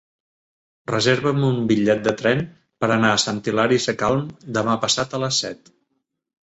Reserva'm un bitllet de tren per anar a Sant Hilari Sacalm demà passat a les set.